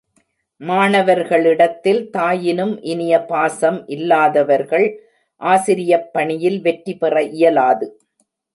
மாணவர்களிடத்தில் தாயினும் இனிய பாசம் இல்லாதவர்கள் ஆசிரியப் பணியில் வெற்றி பெற இயலாது.